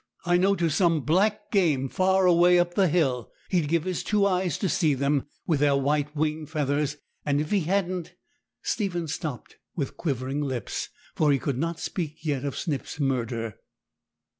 I know to some black game, far away up the hill. He'd give his two eyes to see them, with their white wing feathers; and if he hadn't' Stephen stopped, with quivering lips, for he could not speak yet of Snip's murder.